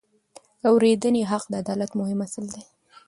د اورېدنې حق د عدالت مهم اصل دی.